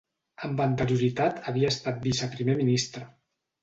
Amb anterioritat havia estat Viceprimer Ministre.